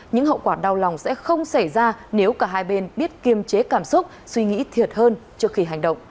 những hậu quả đau lòng sẽ không xảy ra nếu cả hai bên biết kiêm chế cảm xúc suy nghĩ thiệt hơn trước khi hành động